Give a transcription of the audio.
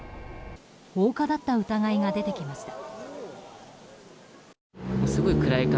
放火だった疑いが出てきました。